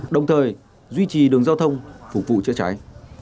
đồng thời duy trì đường giao thông phục vụ chữa cháy